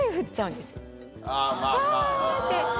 わって。